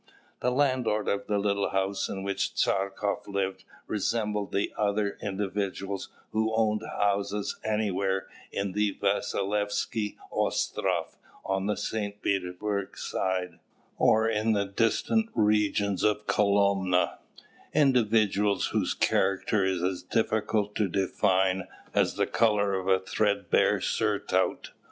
The landlord of the little house in which Tchartkoff lived resembled the other individuals who own houses anywhere in the Vasilievsky Ostroff, on the St. Petersburg side, or in the distant regions of Kolomna individuals whose character is as difficult to define as the colour of a threadbare surtout.